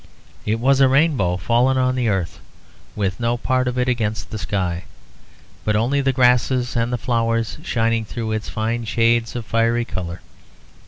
It was a rainbow fallen upon the earth, with no part of it against the sky, but only the grasses and the flowers shining through its fine shades of fiery colour.